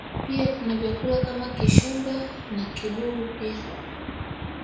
Pia kuna vyakula kama Kishumba na Kibulu pia